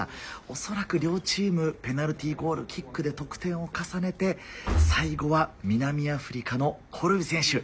恐らく両チーム、ペナルティゴール、キックで得点を重ねて、最後は南アフリカのコルビ選手。